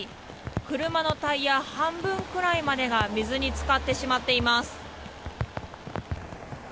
車のタイヤ、半分くらいまでが水に浸かってしまっています。